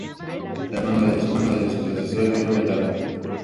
Hermano de su predecesor Enrique I el Largo.